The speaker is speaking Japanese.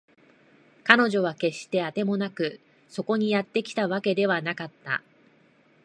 彼女は決してあてもなくそこにやってきたわけではなかった